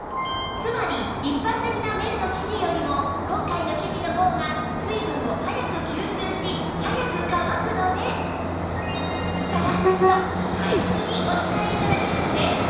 つまり一般的な綿の生地よりも今回の生地の方が水分を早く吸収し早く乾くのでサラッと快適にお使い頂けるんです